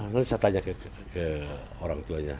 lalu saya tanya ke orang tuanya